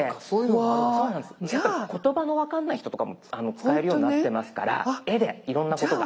言葉の分かんない人とかも使えるようになってますから絵でいろんなことが。